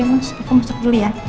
aku masuk dulu ya